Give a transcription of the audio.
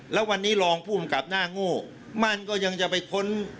แล้ววันนี้รองผู้กำกับหน้าโง่มั่นก็ยังจะไปค้น